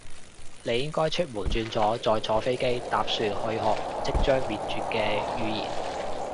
你應該出門轉左，再坐飛機，搭船去學即將滅絕嘅語言